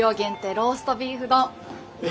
ローストビーフ丼。